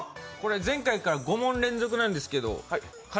前回から５問連続なんですけど。